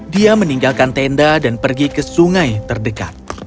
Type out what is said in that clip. dia meninggalkan tenda dan pergi ke sungai terdekat